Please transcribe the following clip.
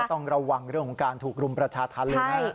ต้องระวังเรื่องของการถูกรุมประชาธรรมเลยนะ